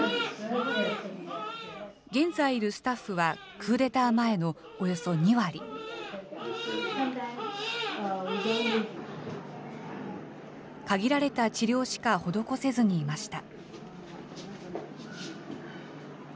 現在いるスタッフは、クーデター前のおよそ２割。限られた治療しか施せずにいました。